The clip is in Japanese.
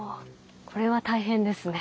これは大変ですね。